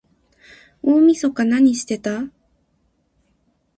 大晦日なにしてた？